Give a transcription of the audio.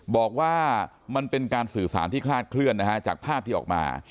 บอกว่ามันเป็นการสื่อสารที่คลาดเคลื่อนนะฮะจากภาพที่ออกมา